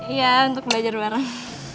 iya untuk belajar bareng